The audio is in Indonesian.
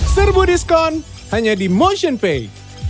serbu diskon hanya di motionpay